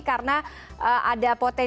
karena ada posisi